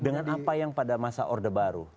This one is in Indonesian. dengan apa yang pada masa orde baru